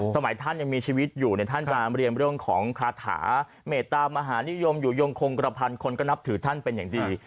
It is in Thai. สมัยท่านยังมีชีวิตอยู่เนี่ยท่านจะเรียนเรื่องของคาถาเมตตามหานิยมอยู่ยงคงกระพันธ์คนก็นับถือท่านเป็นอย่างดี